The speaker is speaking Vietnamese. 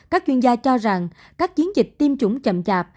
các chuyên gia cho rằng các chiến dịch tiêm chủng chậm chạp